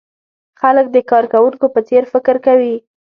خلک د کارکوونکو په څېر فکر کوي.